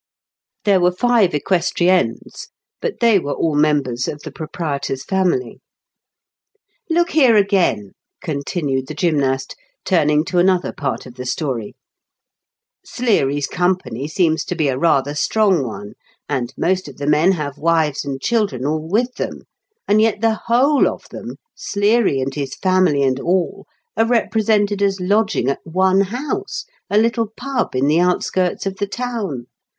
There were five equestriennes, but they were all members of the proprietor's family. " Look here again," continued the gymnast, turning to another part of the story :*' Sleary's company seems to be a rather strong one, and most of the men have wives and children, all with them ; and yet the whole of them, Sleary and his family and all, are represented as lodging at one house, a little pub. in the out skirts of the town